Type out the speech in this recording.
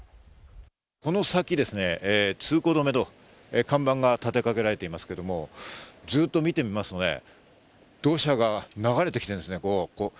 この先ですね、「通行止」と看板が立てかけられていますけれども、ずっと見てみますとね、土砂が流れてきてるんですね。